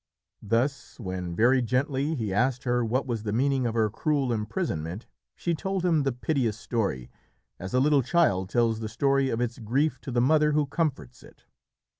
Thus when, very gently, he asked her what was the meaning of her cruel imprisonment, she told him the piteous story, as a little child tells the story of its grief to the mother who comforts it.